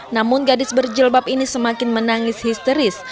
namun gadis berjilbab ini semakin menangis histeris